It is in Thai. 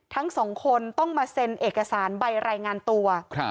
ทั้งสองคนต้องมาเซ็นเอกสารใบรายงานตัว